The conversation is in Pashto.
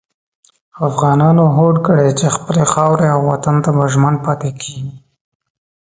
افغانانو هوډ کړی چې خپلې خاورې او وطن ته به ژمن پاتې کېږي.